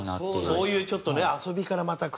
そういうちょっとね遊びからまたくるんだね。